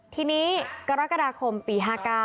ทีนี้กรกฎาคมปี๕๙